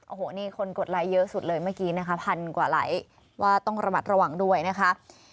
โอ้โหนี่คนกดไลค์เยอะสุดเลยเมื่อกี้นะคะพันกว่าไลค์ว่าต้องระมัดระวังด้วยนะคะ